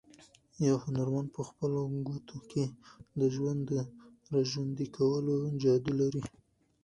یو هنرمند په خپلو ګوتو کې د ژوند د راژوندي کولو جادو لري.